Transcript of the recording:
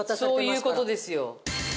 そういう事ですよ。